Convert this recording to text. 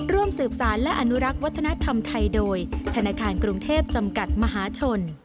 ร่วมสืบสารและอนุรักษ์วัฒนธรรมไทยโดยธนาคารกรุงเทพจำกัดมหาชน